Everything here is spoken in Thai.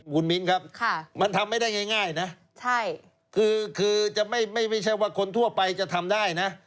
คุณมิ้นครับมันทำไม่ได้ง่ายนะคือจะไม่ใช่ว่าคนทั่วไปจะทำได้นะ